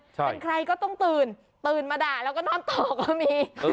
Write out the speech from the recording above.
เป็นใครก็ต้องตื่นตื่นมาด่าแล้วก็นอนต่อก็มี